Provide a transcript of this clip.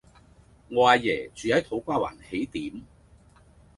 我阿爺住喺土瓜灣喜點